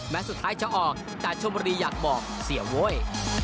สุดท้ายจะออกแต่ชมบุรีอยากบอกเสียโว้ย